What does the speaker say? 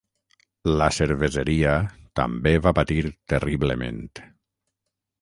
La cerveseria també va patir terriblement.